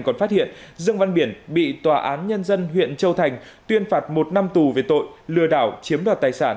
còn phát hiện dương văn biển bị tòa án nhân dân huyện châu thành tuyên phạt một năm tù về tội lừa đảo chiếm đoạt tài sản